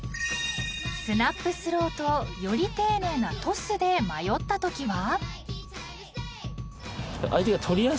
［スナップスローとより丁寧なトスで迷ったときは？］